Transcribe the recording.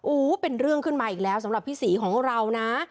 เป็นเรื่องขึ้นมาอีกแล้วสำหรับพี่ศรีของเรานะ